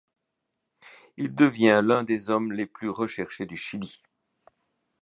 Il devient l'un des hommes les plus recherchés du Chili.